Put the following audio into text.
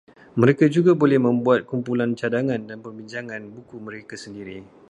Mereka juga boleh membuat kumpulan cadangan dan perbincangan buku mereka sendiri